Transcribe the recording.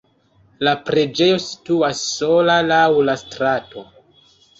La preĝejo situas sola laŭ la strato.